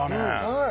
はい。